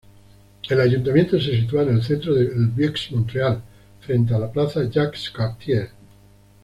El ayuntamiento se sitúa en el centro del Vieux-Montreal, frente a la Plaza Jacques-Cartier.